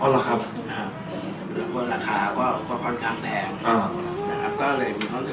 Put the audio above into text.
แล้วก็ราคาก็ค่อนข้างแพง